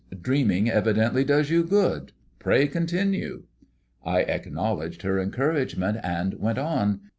"Dreaming evidently does you good. Pray continue." I acknowledged her encouragement, and went on.